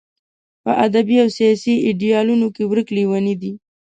په ادبي او سیاسي ایډیالونو ورک لېونی دی.